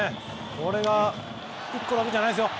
これが１個だけじゃないんですよ